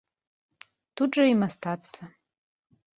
Тут жа і мастацтва.